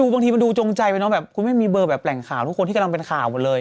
บางทีมันดูจงใจไปเนาะแบบคุณแม่มีเบอร์แบบแหล่งข่าวทุกคนที่กำลังเป็นข่าวหมดเลย